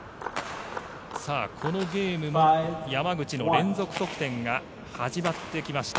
このゲームも山口の連続得点が始まってきました。